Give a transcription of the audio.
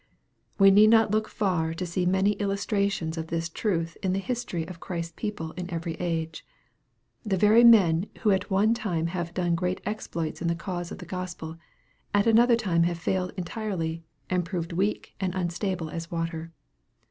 We need not look far to see many illustrations of this truth in the history of Christ's people in every age. The very men who at one time have done great exploits in the cause of the Gospel, at another time have failed entirely, and proved weak and unstable as water.